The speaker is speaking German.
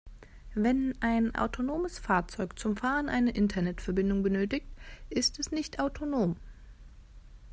Wenn ein autonomes Fahrzeug zum Fahren eine Internetverbindung benötigt, ist es nicht autonom.